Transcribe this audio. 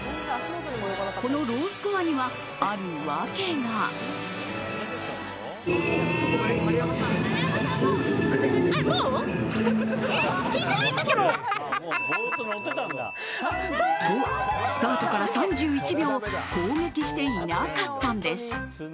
このロースコアには、ある訳が。と、スタートから３１秒攻撃していなかったんです。